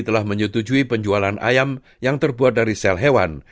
telah menyetujui penjualan ayam yang terbuat dari sel hewan